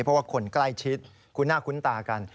เพราะว่าคนใกล้ชิดคุ้นหน้าคุ้นตากัน